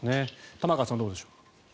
玉川さん、どうでしょう。